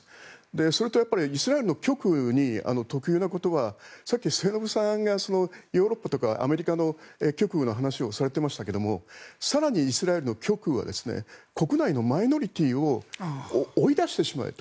それとイスラエルの極右に特有なことはさっき末延さんがヨーロッパとかアメリカの極右の話をされてましたが更にイスラエルの極右は国内のマイノリティーを追い出してしまえと。